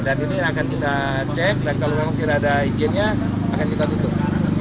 ini akan kita cek dan kalau memang tidak ada izinnya akan kita tutup